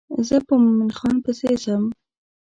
زه په مومن خان پسې ځم.